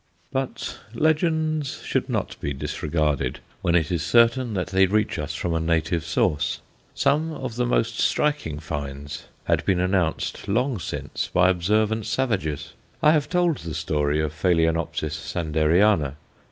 But legends should not be disregarded when it is certain that they reach us from a native source. Some of the most striking finds had been announced long since by observant savages. I have told the story of Phaloenopsis Sanderiana.